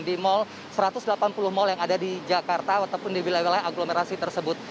di mall satu ratus delapan puluh mal yang ada di jakarta ataupun di wilayah wilayah agglomerasi tersebut